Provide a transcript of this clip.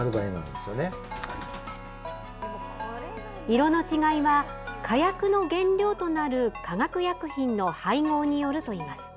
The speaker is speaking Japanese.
色の違いは火薬の原料となる化学薬品の配合によるといいます。